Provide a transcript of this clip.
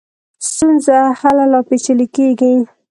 ستونزه هله لا پېچلې کېږي.